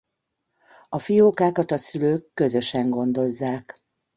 A fiókákat a szülők közösen gondozzák.